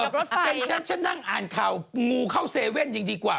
รถไฟฉันฉันนั่งอ่านข่าวงูเข้าเซเว่นยังดีกว่า